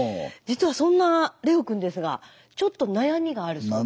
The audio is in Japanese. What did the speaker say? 実はそんな伶旺君ですがちょっと悩みがあるそうで。